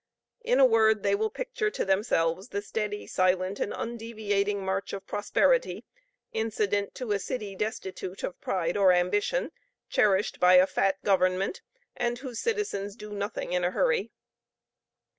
In a word, they will picture to themselves the steady, silent, and undeviating march of prosperity, incident to a city destitute of pride or ambition, cherished by a fat government, and whose citizens do nothing in a hurry.